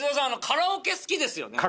カラオケ好きですよね？